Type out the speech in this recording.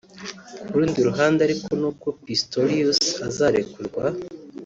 Ku rundi ruhande ariko nubwo Pistorius azarekurwa